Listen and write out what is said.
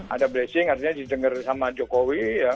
ada blessing artinya didengar sama jokowi